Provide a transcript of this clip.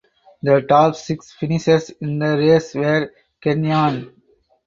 The top six finishers in the race were Kenyan.